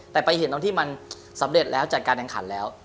แต่ไปเห็นตรงที่มันสำเร็จแล้วจัดการแข่งขันแล้ว